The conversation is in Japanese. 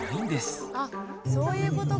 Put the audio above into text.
あっそういうことか。